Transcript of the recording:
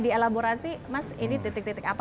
dielaborasi mas ini titik titik apa